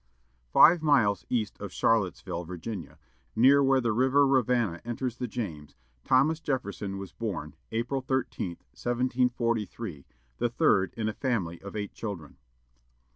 Five miles east of Charlottesville, Virginia, near where the River Rivanna enters the James, Thomas Jefferson was born, April 13, 1743, the third in a family of eight children.